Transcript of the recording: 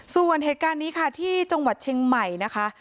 ส่วนเหตุการณ์นี้ค่ะที่จังหวัดเชียงใหม่นะคะ